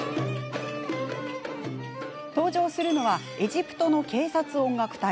登場するのはエジプトの警察音楽隊。